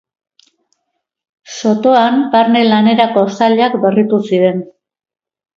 Sotoan barne lanerako sailak berritu ziren.